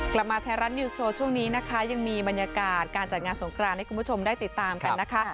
กลับมาไทยรัฐนิวส์โชว์ช่วงนี้นะคะยังมีบรรยากาศการจัดงานสงครานให้คุณผู้ชมได้ติดตามกันนะคะ